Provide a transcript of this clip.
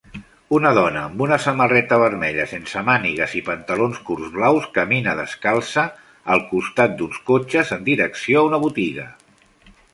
Una dona amb una samarreta vermella sense mànigues i pantalons curts blaus camina descalça al costat d'uns cotxes en direcció a una botiga